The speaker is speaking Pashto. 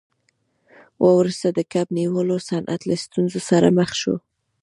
وروسته د کب نیولو صنعت له ستونزو سره مخ شو.